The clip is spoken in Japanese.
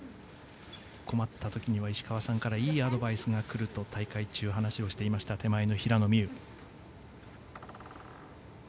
困ったときには、石川さんからいいアドバイスが来ると大会中、話をしていました手前の平野美宇。